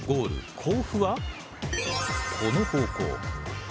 甲府はこの方向。